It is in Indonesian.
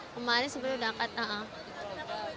kemarin sebenernya udah akad